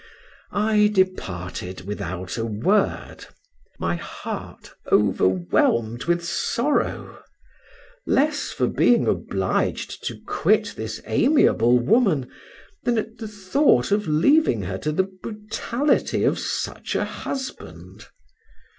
I departed without a word, my heart overwhelmed with sorrow, less for being obliged to quit this amiable woman, than at the thought of leaving her to the brutality of such a husband.